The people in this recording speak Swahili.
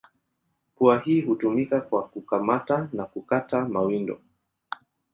Pua hii hutumika kwa kukamata na kukata mawindo.